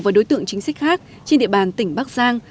và đối tượng chính sách khác trên địa bàn tỉnh bắc giang